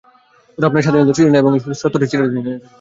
ওরা আপনার স্বাধীনতা ছিনিয়ে নিতে চায়, এবং আসল সত্যিটা এটাই!